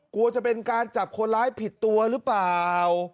กลัวจะเป็นการจับคนร้ายผิดตัวหรือเปล่า